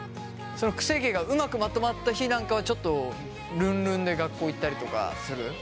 そのくせ毛がうまくまとまった日なんかはちょっとルンルンで学校行ったりとかする？